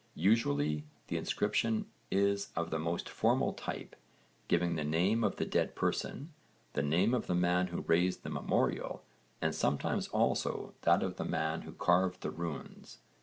Usually the inscription is of the most formal type, giving the name of the dead person, the name of the man who raised the memorial, and sometimes also that of the man who carved the runes.